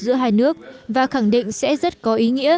giữa hai nước và khẳng định sẽ rất có ý nghĩa